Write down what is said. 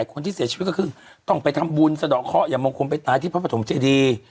คนที่เสียชีวิตก็คือต้องไปทำบุญสะดอกเคาะอย่ามงคลไปตายที่พระปฐมเจดี